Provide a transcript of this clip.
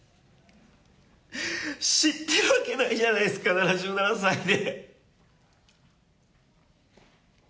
知ってるわけないじゃないですか、７７歳で。